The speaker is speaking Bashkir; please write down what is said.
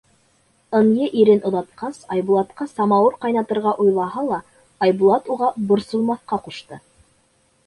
Ынйы ирен оҙатҡас, Айбулатҡа самауыр ҡайнатырға уйлаһа ла, Айбулат уға борсолмаҫҡа ҡушты.